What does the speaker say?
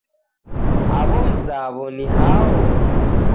Aw'o mzaw'o ni hao?